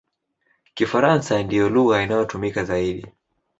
Kifaransa ndiyo lugha inayotumika zaidi.